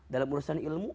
dalam urusan ilmu